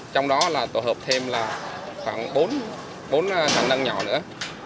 trong đó tổ hợp thêm khoảng bốn sàn nâng nhỏ nữa